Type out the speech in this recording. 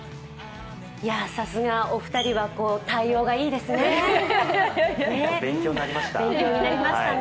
さすがお二人は対応がいいですね。